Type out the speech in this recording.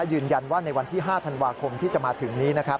ยืนยันว่าในวันที่๕ธันวาคมที่จะมาถึงนี้นะครับ